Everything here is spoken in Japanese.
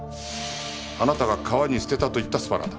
あなたが川に捨てたと言ったスパナだ。